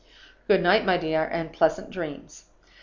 "Good night, my dear, and pleasant dreams.